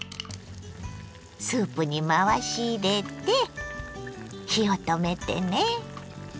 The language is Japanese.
スープに回し入れて火を止めてね。